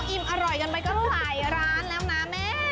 อิ่มอร่อยกันไปก็หลายร้านแล้วนะแม่